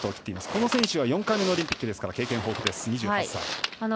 この選手は４回目のオリンピックですから経験豊富、２８歳。